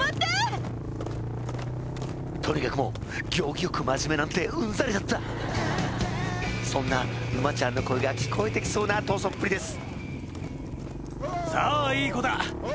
とにかくもう行儀よく真面目なんてうんざりだったそんな馬ちゃんの声が聞こえてきそうな逃走っぷりです